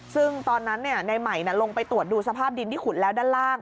ซึ่งตอนนั้นในใหม่ลงไปตรวจดูสภาพดินที่ขุดแล้วด้านล่าง